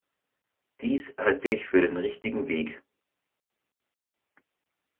Dies halte ich für den richtigen Weg.